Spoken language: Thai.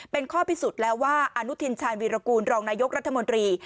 เป็นข้อพิสูจน์แล้วว่าอนุทินชาญวีรกูลรองนายกรัฐมนตรี